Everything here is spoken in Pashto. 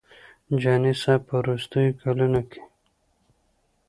جهاني صاحب په وروستیو کلونو کې.